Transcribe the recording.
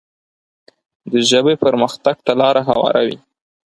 د ژبې پرمختګ ته لاره هواروي.